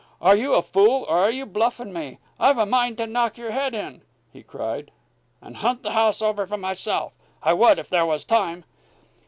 "Are you a fool, or are you bluffing me? I've half a mind to knock your head in," he cried, "and hunt the house over for myself! I would, if there was time."